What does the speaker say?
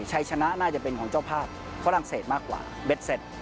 ชัยชนะน่าจะเป็นของเจ้าภาพฝรั่งเศสมากกว่าเบ็ดเสร็จ